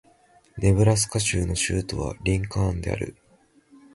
ネブラスカ州の州都はリンカーンである